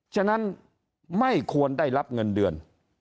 ฉะนั้นไม่ควรได้รับเงินเดือน